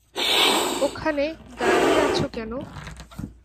ওখানে দাঁড়িয়ে আছো কেন?